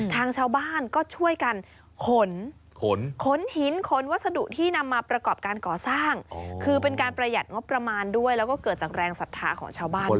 ทางชาวบ้านก็ช่วยกันขนขนหินขนวัสดุที่นำมาประกอบการก่อสร้างคือเป็นการประหยัดงบประมาณด้วยแล้วก็เกิดจากแรงศรัทธาของชาวบ้านด้วย